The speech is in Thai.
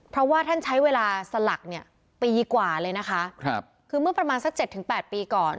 เพราะว่าท่านใช้เวลาสลักเนี่ยปีกว่าเลยนะคะคือเมื่อประมาณสัก๗๘ปีก่อน